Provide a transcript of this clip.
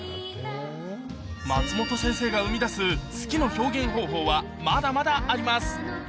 松本先生が生み出す好きの表現方法はまだまだあります